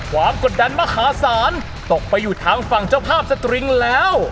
กดดันมหาศาลตกไปอยู่ทางฝั่งเจ้าภาพสตริงแล้ว